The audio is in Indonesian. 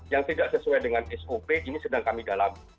yang tidak sesuai dengan sop ini sedang kami dalami